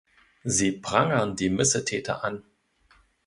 Sie prangern die Missetäter an.